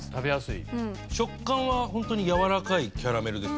食感はホントにやわらかいキャラメルですね。